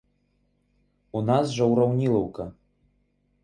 У нас жа ўраўнілаўка.